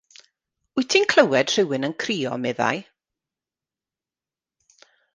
Wyt ti'n clywed rhywun yn crio, meddai.